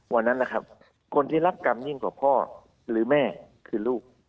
วันนั้นนะครับคนที่รักกรรมยิ่งกว่าพ่อหรือแม่คือลูก